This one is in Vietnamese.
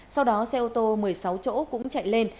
sau đó xe ô tô một mươi sáu chỗ cũng chạy lên